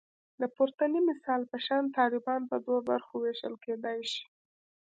د پورتني مثال په شان طالبان په دوو برخو ویشل کېدای شي